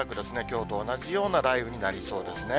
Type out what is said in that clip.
きょうと同じような雷雨になりそうですね。